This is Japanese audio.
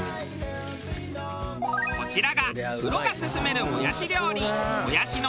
こちらがプロが薦めるもやし料理。